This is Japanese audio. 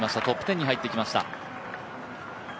トップ１０に入ってきました。